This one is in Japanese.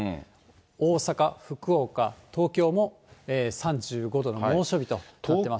大阪、福岡、東京も３５度の猛暑日となってます。